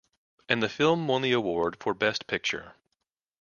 And the film won the award for best picture.